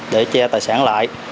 để che tài sản lại